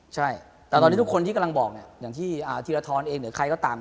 ใช่แต่ตอนนี้ทุกคนที่กำลังบอกเนี่ยอย่างที่ธีรทรเองหรือใครก็ตาม